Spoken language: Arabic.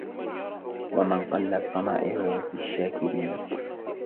وَمَنْ قَلَّتْ صَنَائِعُهُ فِي الشَّاكِرِينَ